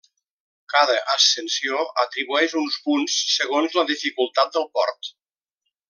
Cada ascensió atribueix uns punts segons la dificultat del port.